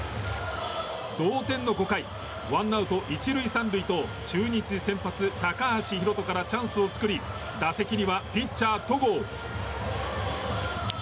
同点の５回ワンアウト１塁３塁と中日先発、高橋宏斗からチャンスを作り打席にはピッチャー、戸郷。